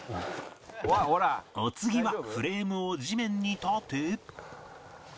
お次はフレームを地面に立て